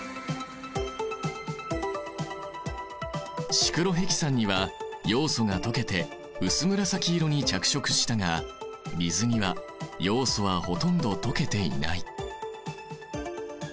シクロヘキサンにはヨウ素が溶けて薄紫色に着色したが水にはヨウ素はほとんど溶けていない。